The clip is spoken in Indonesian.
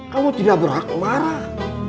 kamu tidak berhak marah